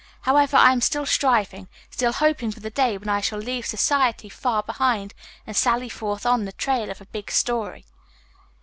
However, I am still striving, still hoping for the day when I shall leave society far behind and sally forth on the trail of a big story.